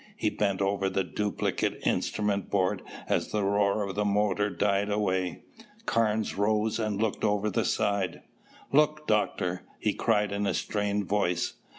He bent over the duplicate instrument board as the roar of the motor died away. Carnes rose and looked over the side. "Look, Doctor!" he cried in a strained voice.